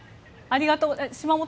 ありがとうございます。